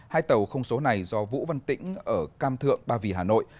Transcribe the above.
hai tàu không số này do vũ văn tĩnh ở cam thượng ba vì hà nội